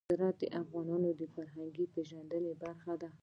زراعت د افغانانو د فرهنګي پیژندنې برخه ده.